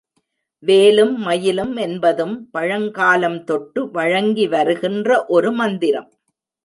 வேலும் மயிலும் என்பதும் பழங்காலம் தொட்டு வழங்கி வருகின்ற ஒரு மந்திரம்.